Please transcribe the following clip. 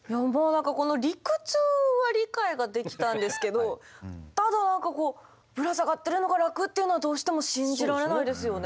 理屈は理解ができたんですけどただ何かこうぶら下がってるのが楽っていうのはどうしても信じられないですよね。